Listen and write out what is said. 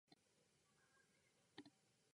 山東省の省都は済南である